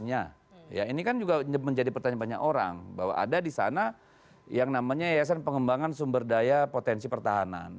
nah ini kan juga menjadi pertanyaan banyak orang bahwa ada di sana yang namanya yayasan pengembangan sumber daya potensi pertahanan